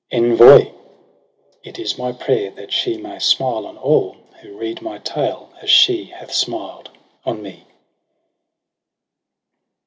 ac, ENVOr IT IS MY PRAYER THAT SHE MAY SMILE ON ALL WHO READ MY TALE AS SHE HATH SMILED ON ME.